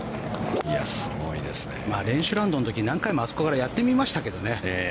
練習ラウンドの時に何回もあそこからやってみましたけどね。